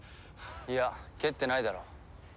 いや蹴ってないだろ。